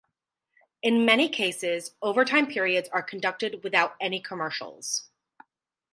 In many cases, overtime periods are conducted without any commercials.